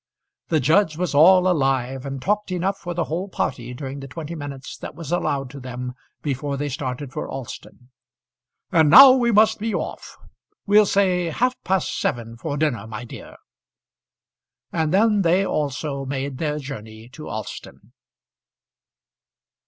The judge was all alive, and talked enough for the whole party during the twenty minutes that was allowed to them before they started for Alston. "And now we must be off. We'll say half past seven for dinner, my dear." And then they also made their journey to Alston.